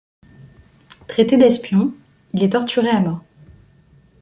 Traité d'espion, il est torturé à mort.